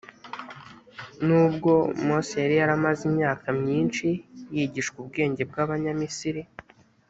n ubwo mose yari yaramaze imyaka myinshi yigishwa ubwenge bw abanyamisiri